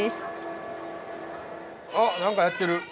あっ何かやってる。